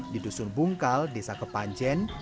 di dusun bungkal desa kepanjen